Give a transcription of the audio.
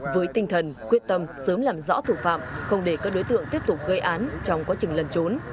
với tinh thần quyết tâm sớm làm rõ thủ phạm không để các đối tượng tiếp tục gây án trong quá trình lần trốn